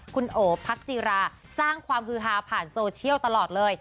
คุณโอพักจีราสร้างความฮือฮาผ่านโซเชียลตลอดเลย